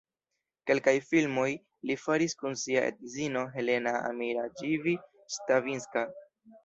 Kelkaj filmoj li faris kun sia edzino Helena Amiraĝibi-Stavinska.